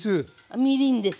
みりんです。